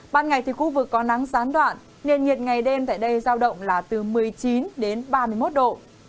ban ngày thì khu vực có nắng gián đoạn nền nhiệt ngày đêm tại đây giao động là từ một mươi chín đến ba mươi một độ